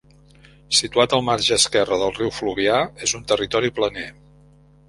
Situat al marge esquerre del riu Fluvià, és un territori planer.